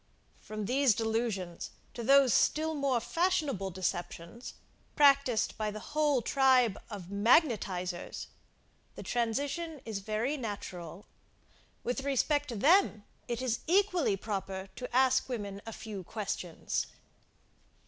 From these delusions to those still more fashionable deceptions, practised by the whole tribe of magnetisers, the transition is very natural. With respect to them, it is equally proper to ask women a few questions.